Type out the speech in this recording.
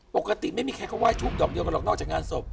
ปกติไม่มีใครเขาไห้ทุบดอกเดียวกันหรอกนอกจากงานศพ